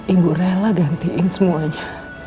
ibu rela gantiin semuanya